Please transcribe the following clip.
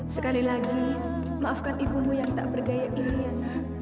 sekali lagi maafkan ibumu yang tak berdaya ini anak